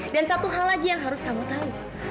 dan satu hal lagi yang harus kamu tau